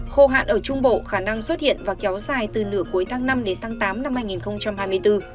khô hạn ở trung bộ khả năng xuất hiện và kéo dài từ nửa cuối tháng năm đến tháng tám năm hai nghìn hai mươi bốn